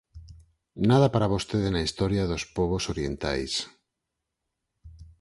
Nada para vostede na historia dos pobos orientais.